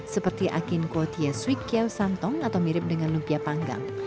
seperti akin kuotia suik kew samtong atau mirip dengan lumpia panggang